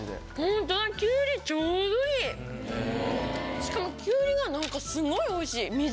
しかもきゅうりが何かすごいおいしい。